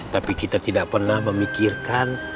tapi kita tidak pernah memikirkan